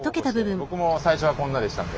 僕も最初はこんなでしたんで。